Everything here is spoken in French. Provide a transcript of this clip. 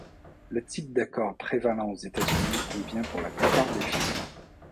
Le type d'accord prévalant aux États-Unis convient pour la plupart des films.